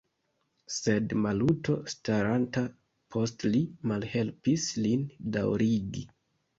Sed Maluto, staranta post li, malhelpis lin daŭrigi.